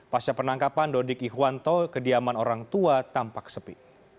pasca penangkapan dodik ihwanto kediaman orang tua tampak sepi